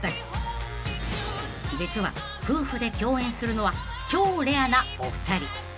［実は夫婦で共演するのは超レアなお二人］